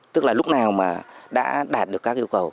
tức là lúc nào mà đã đạt được các yêu cầu